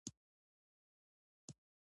سلام څنګه تاسو څنګه یاست.